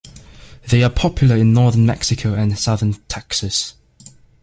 They are popular in northern Mexico and southern Texas.